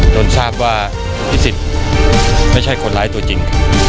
จนทราบว่าพิสิทธิ์ไม่ใช่คนร้ายตัวจริง